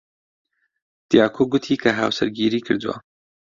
دیاکۆ گوتی کە هاوسەرگیری کردووە.